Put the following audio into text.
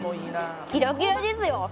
キラキラですよ。